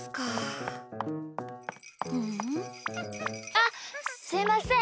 あっすいません！